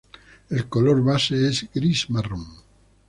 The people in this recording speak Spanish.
El color base es gris-marrón.